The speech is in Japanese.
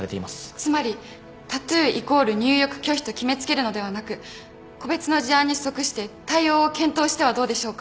つまりタトゥーイコール入浴拒否と決め付けるのではなく個別の事案に即して対応を検討してはどうでしょうか。